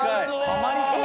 ハマりそう。